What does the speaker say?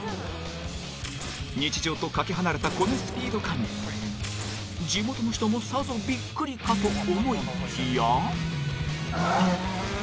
日常とかけ離れたこのスピード感に地元の人もさぞびっくりかと思いきや。